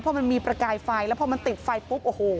พอมันมีประกายไฟแล้วพอมันติดไฟปุ๊บโอ้โห